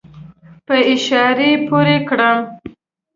په اشاره یې پوی کړم.